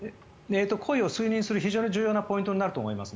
故意を推認する非常に重要なポイントになると思います。